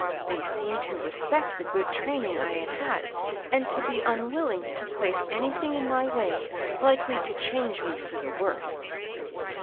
They seemed to respect the good training I had had, and to be unwilling to place anything in my way likely to change me for the worse.